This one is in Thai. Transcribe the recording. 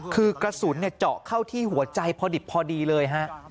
คือกระสุนเจาะเข้าที่หัวใจพอดิบพอดีเลยฮะ